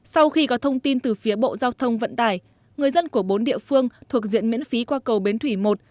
sau khi có thông tin từ phía bộ giao thông vận tải người dân của bốn địa phương thuộc diện miễn phí qua cầu bến thủy một